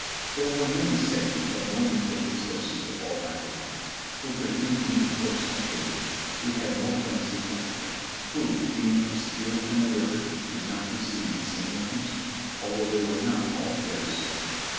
L,Y YANK There were many sick who had no mental resources to fall back upon, who could read neither books nor papers, who had no friends to come to them, who, being obscure and illiterate, did not receive the same attention, although they were not altogether slighted.